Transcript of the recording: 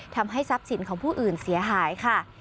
ทำให้ทรัพย์สินของผู้อื่นเสียหายค่ะ